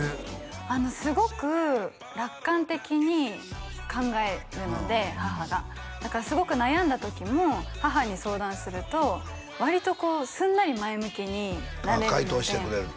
すごく楽観的に考えるので母がだからすごく悩んだ時も母に相談すると割とすんなり前向きになれるので回答してくれる？